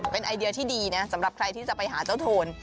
เป็นไอเดียที่ดีนะสำหรับใครที่จะไปหาเจ้าโทน